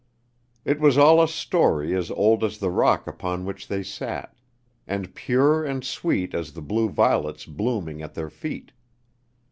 It was all a story as old as the rock upon which they sat, and pure and sweet as the blue violets blooming at their feet.